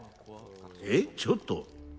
えっ、ちょっと。